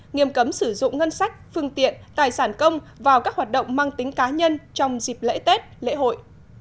nghiêm cấm sử dụng ngân sách phương tiện tài sản công vào các hoạt động mang tính cá nhân trong dịp lễ tết lễ hội